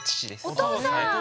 お父さん。